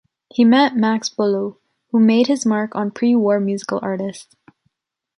He met Max Boullé who made his mark on pre-war musical artists.